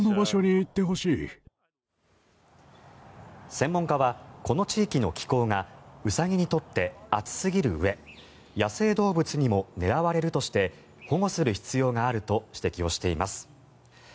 専門家はこの地域の気候がウサギにとって暑すぎるうえ野生動物にも狙われるとして保護する必要があると指摘をしています。